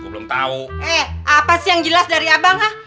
eh apa sih yang jelas dari abang